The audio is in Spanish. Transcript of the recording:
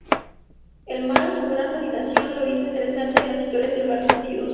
El mar, su gran fascinación, lo hizo interesarse en las historias de barcos hundidos.